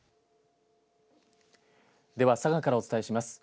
では、佐賀からお伝えします。